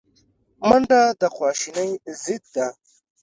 منډه د خواشینۍ ضد ده